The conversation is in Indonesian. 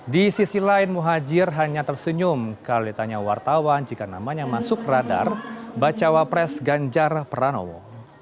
di sisi lain muhajir hanya tersenyum kalau ditanya wartawan jika namanya masuk radar bacawa pres ganjar pranowo